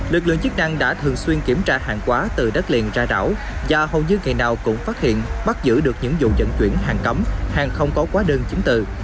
lực lượng chức năng đã thường xuyên kiểm tra hàng quá từ đất liền ra đảo và hầu như ngày nào cũng phát hiện bắt giữ được những vụ dẫn chuyển hàng cấm hàng không có quá đơn chứng từ